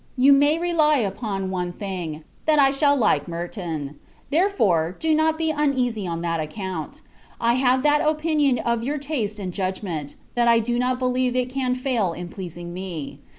You may rely upon one thing, that I shall like Merton; therefore, do not be uneasy on that account. I have that opinion of your taste and judgment, that I do not believe it can fail in pleasing me.